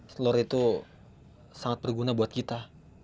telur itu sangat berguna buat kita